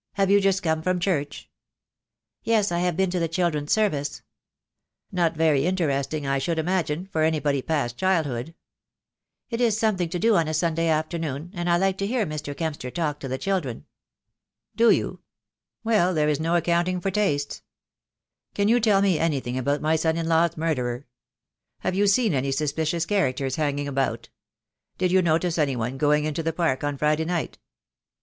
"Have you just come from church?" "Yes, I have been to the children's service." "Not very interesting, I should imagine, for anybody past childhood?" "It is something to do on a Sunday afternoon, and I like to hear Mr. Kempster talk to the children." "Do you? Well, there is no accounting for tastes. THE DAY WILL COME. 123 Can you tell me anything about my son in law's murderer? Have you seen any suspicious characters hanging about? Did you notice any one going into the park on Friday night?"